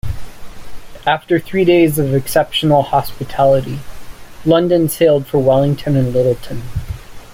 After three days of exceptional hospitality, "London" sailed for Wellington and Lyttleton.